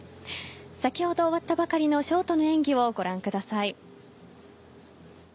先ほど終わったばかりのショートの演技をご覧ください。